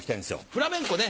フラメンコね